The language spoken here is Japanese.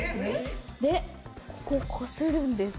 でここをこするんです。